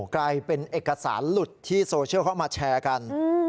กลายเป็นเอกสารหลุดที่โซเชียลเขามาแชร์กัน